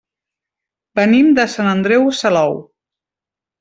Venim de Sant Andreu Salou.